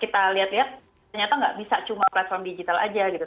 kita lihat lihat ternyata nggak bisa cuma platform digital aja gitu